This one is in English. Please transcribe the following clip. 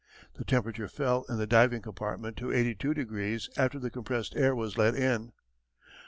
The temperature fell in the diving compartment to eighty two degrees after the compressed air was let in.